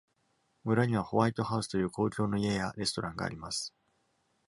村にはホワイトハウスという公共の家やレストランがあります。